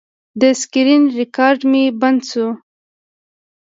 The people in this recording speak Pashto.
د سکرین ریکارډ مې بند شو.